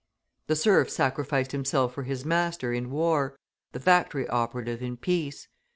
The serf sacrificed himself for his master in war, the factory operative in peace.